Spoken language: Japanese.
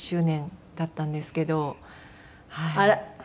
あら！